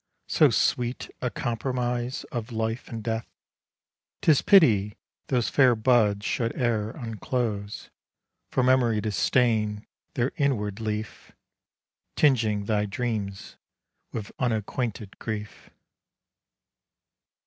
So sweet a compromise of life and death, 'Tis pity those fair buds should e'er unclose For memory to stain their inward leaf, Tinging thy dreams with unacquainted grief.